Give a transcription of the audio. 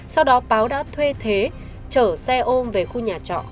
sau đó báo đã thuê thế chở xe ôm về khu nhà trọ